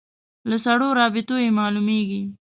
له سړو رابطو یې معلومېږي.